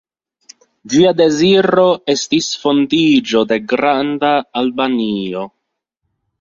Ĝia deziro estis fondiĝo de Granda Albanio.